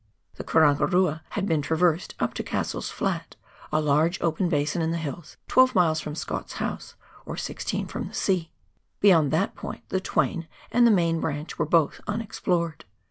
The Karangarua had been traversed up to Cassell's Flat, a large open basin in the hills, 12 miles from Scott's house, or 16 from the sea. Beyond that point the Twain and the main branch were both unexplored.